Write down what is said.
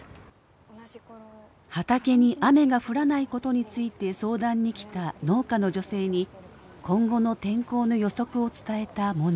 畑に雨が降らないことについて相談に来た農家の女性に今後の天候の予測を伝えたモネ。